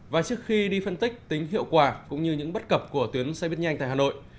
và trước khi đi phân tích tính hiệu quả cũng như những bất cập của tuyến xe buýt nhanh tại hà nội